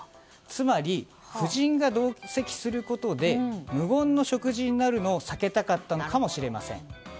つまり、夫人が同席することで無言の食事になるのを避けたかったのかもしれません。